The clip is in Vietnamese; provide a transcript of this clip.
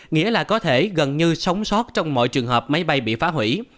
nghĩa là có thể gần như sống sót trong mọi trường hợp máy bay bị phá hủy